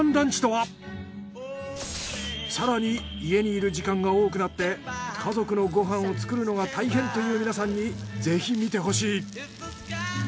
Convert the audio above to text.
更に家にいる時間が多くなって家族のご飯を作るのが大変という皆さんにぜひ見てほしい。